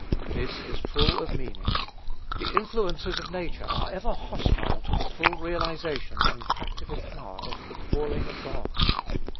This is full of meaning. The influences of nature are ever hostile to the full realization and practical power of "the calling of God."